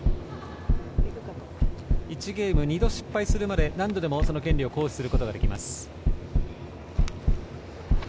１ゲーム２度失敗するまで何度でもその権利を行使することができます。